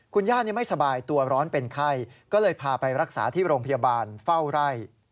คุณย่าไม่สบายตัวร้อนเป็นไข้ก็เลยพาไปรักษาที่โรงพยาบาลเฝ้าไร่